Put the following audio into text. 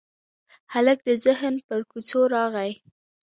هلک د ذهن پر کوڅو راغلی